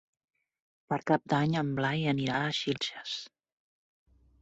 Per Cap d'Any en Blai anirà a Xilxes.